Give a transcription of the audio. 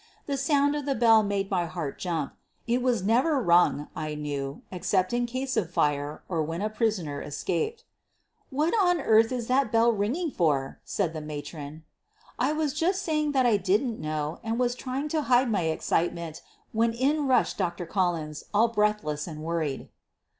The sound of the bell made my heart jump — it was never rung, I knew, except in case of fire or when a prisoner es caped. "What on earth is that bell ringing for?" said the matron. I was just saying that I didn't know and was trying to hide my excitement when in rushed Dr. Collins, all breathless and worried.